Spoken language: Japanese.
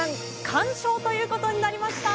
完勝という事になりました！